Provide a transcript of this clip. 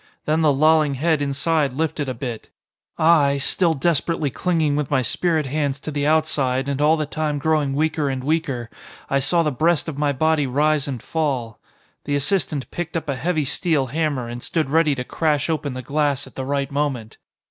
Then the lolling head inside lifted a bit. I still desperately clinging with my spirit hands to the outside, and all the time growing weaker and weaker I saw the breast of my body rise and fall. The assistant picked up a heavy steel hammer and stood ready to crash open the glass at the right moment.